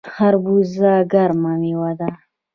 خربوزه ګرمه میوه ده